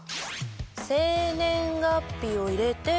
生年月日を入れて。